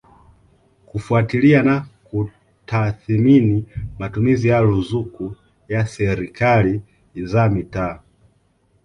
kufuatilia na kutathimini matumizi ya ruzuku ya Serikali za Mitaa